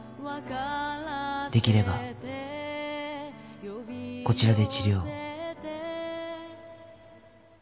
できればこちらで治療を。